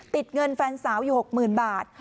ติดเงินแฟนสาวอยู่๖๐๐๐บาท